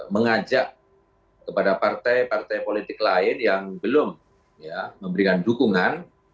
mengajak kepada partai partai politik lain yang belum memberikan dukungan